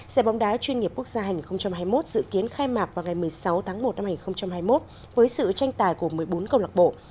giải bóng đá chuyên nghiệp quốc gia hành hai mươi một dự kiến khai mạc vào ngày một mươi sáu tháng một năm hai nghìn hai mươi một với sự tranh tài của một mươi bốn công lạc bộ